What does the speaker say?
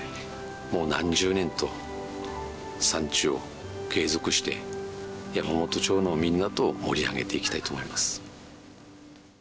もう何十年と産地を継続して、山元町のみんなと盛り上げていきたいと思います。